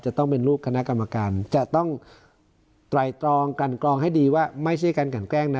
จะต้องเป็นลูกคณะกรรมการจะต้องไตรตรองกันกรองให้ดีว่าไม่ใช่การกันแกล้งนะ